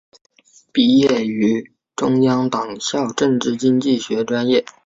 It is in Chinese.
毕业于中央党校政治经济学专业。